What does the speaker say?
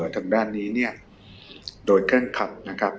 ทางด้านนี้โดยเคร่งขัด